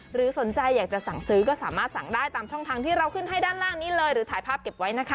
หรือสนใจอยากจะสั่งซื้อก็สามารถสั่งได้ตามช่องทางที่เราขึ้นให้ด้านล่างนี้เลยหรือถ่ายภาพเก็บไว้นะคะ